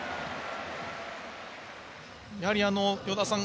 やはり、与田さん